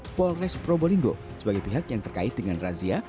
polres probolinggo sebagai pihak yang terkait dengan razia